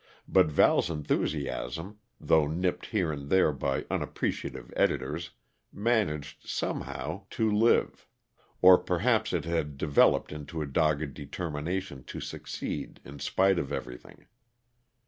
But Val's enthusiasm, though nipped here and there by unappreciative editors, managed, somehow, to live; or perhaps it had developed into a dogged determination to succeed in spite of everything.